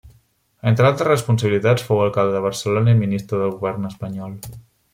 Entre altres responsabilitats fou alcalde de Barcelona i ministre del govern espanyol.